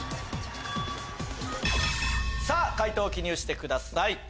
さぁ解答を記入してください。